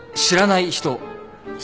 知らない人。